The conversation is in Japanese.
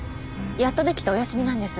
やっとできたお休みなんです。